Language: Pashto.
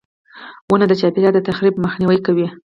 • ونه د چاپېریال د تخریب مخنیوی کوي.